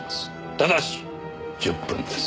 ただし１０分です。